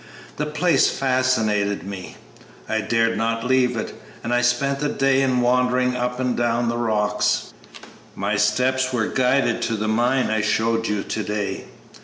The place fascinated me; I dared not leave it, and I spent the day in wandering up and down the rocks. My steps were guided to the mine I showed you to day.